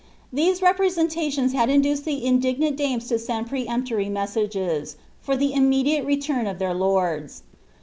These representations had induced the indignant dames to send peremp tory inestages, for the immediate retiini of their lords.